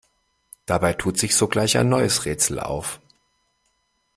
Dabei tut sich sogleich ein neues Rätsel auf.